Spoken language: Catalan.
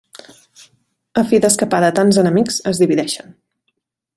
A fi d'escapar de tants enemics, es divideixen.